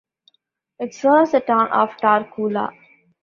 It serves the town of Tarcoola.